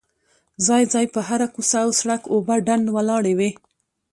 ځای ځای په هره کوڅه او سړ ک اوبه ډنډ ولاړې وې.